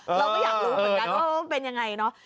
เราก็อยากรู้เหมือนกันว่ามันเป็นยังไงเนอะ